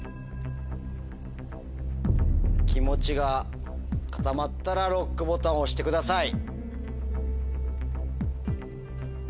気持ちが固まったらＬＯＣＫボタン押してください。